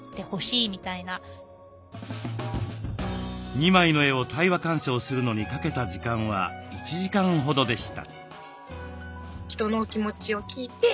２枚の絵を対話鑑賞するのにかけた時間は１時間ほどでした。